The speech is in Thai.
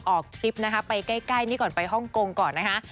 ทริปนะคะไปใกล้นี่ก่อนไปฮ่องกงก่อนนะคะ